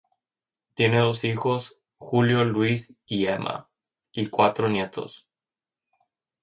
Tiene dos hijos, Julio Luis y Emma, y cuatro nietos.